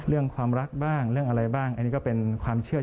เรื่องความรักบ้างเรื่องอะไรบ้างอันนี้ก็เป็นความเชื่อ